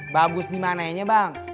bagus dimanainya bang